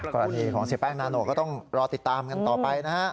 กรณีของเสียแป้งนาโนก็ต้องรอติดตามกันต่อไปนะฮะ